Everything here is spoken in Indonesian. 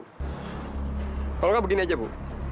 kalau nggak begini aja bu